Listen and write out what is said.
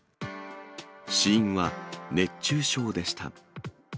死因は、熱中症でした。